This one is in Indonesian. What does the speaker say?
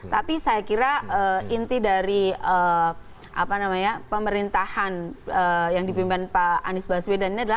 tapi saya kira inti dari pemerintahan yang dipimpin pak anies baswedan ini adalah